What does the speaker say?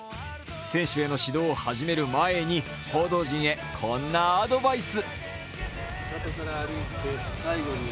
選手への指導を始める前に報道陣にこんなアドバイス。